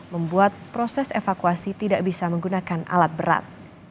membuat proses evakuasi tidak bisa menggunakan alat berat